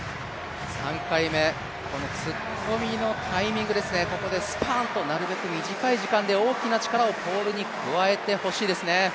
３回目、突っ込みのタイミング、ここですぱんとなるべく短い時間で大きな力をポールに加えてほしいですね。